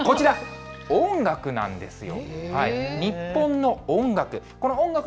こちら、音楽なんですよ。